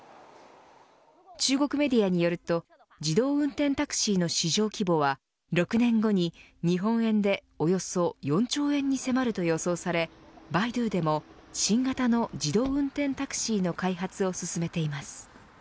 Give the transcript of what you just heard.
中国メディアによると自動運転タクシーの市場規模は６年後に日本円でおよそ４兆円に迫ると予想されバイドゥでも新型の自動運転タクシーの開発を進めています。